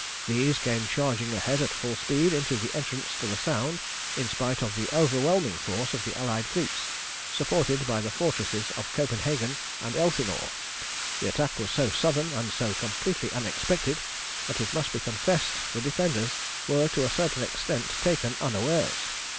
These came charging ahead at full speed into the entrance to the Sound in spite of the overwhelming force of the Allied fleets, supported by the fortresses of Copenhagen and Elsinore. The attack was so sudden and so completely unexpected, that it must be confessed the defenders were to a certain extent taken unawares.